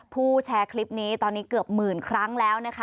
แชร์คลิปนี้ตอนนี้เกือบหมื่นครั้งแล้วนะคะ